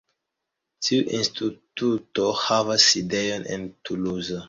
Tiu instituto havas sidejon en Tuluzo.